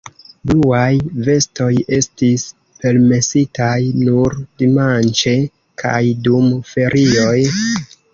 Bluaj vestoj estis permesitaj nur dimanĉe kaj dum ferioj.